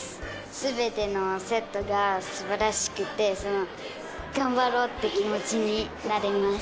全てのセットが素晴らしくて頑張ろうって気持ちになれます。